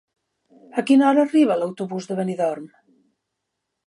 A quina hora arriba l'autobús de Benidorm?